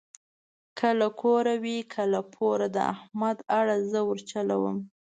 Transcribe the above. که له کوره وي که له پوره د احمد اړه زه ورچلوم.